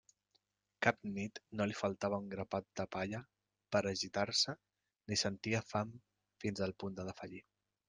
Cap nit no li faltava un grapat de palla per a gitar-se ni sentia fam fins al punt de defallir.